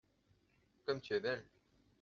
Comme tu es belle !…